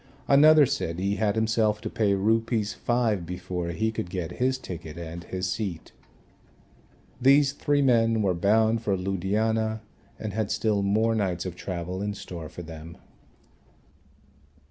Another said he had himself to pay Rs. 5 before he could get his ticket and his seat. These three men were bound for Ludhiana and had still more nights of travel in store for them.